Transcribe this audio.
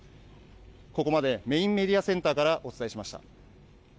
ここまでメインメディアセンターからお伝えしました。